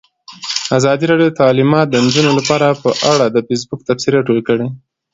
ازادي راډیو د تعلیمات د نجونو لپاره په اړه د فیسبوک تبصرې راټولې کړي.